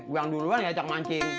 gua yang duluan yang ajak mancing